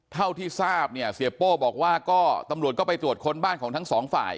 เท่าที่ทราบเนี่ยเสียโป้บอกว่าก็ตำรวจก็ไปตรวจค้นบ้านของทั้งสองฝ่าย